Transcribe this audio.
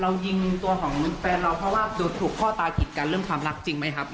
ยิงตัวของแฟนเราเพราะว่าถูกพ่อตายผิดกันเรื่องความรักจริงไหมครับ